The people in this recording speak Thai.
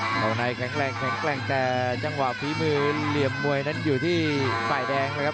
เขาในแข็งแรงแข็งแกร่งแต่จังหวะฝีมือเหลี่ยมมวยนั้นอยู่ที่ฝ่ายแดงนะครับ